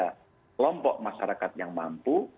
kelompok masyarakat yang mampu